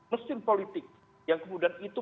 mesin politik yang kemudian itu